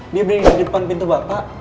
dia bilang di depan pintu bapak